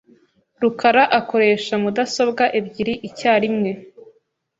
rukara akoresha mudasobwa ebyiri icyarimwe .